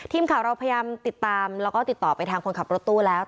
ทีมข่าวเราพยายามติดตามแล้วก็ติดต่อไปทางคนขับรถตู้แล้ว